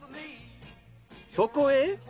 そこへ。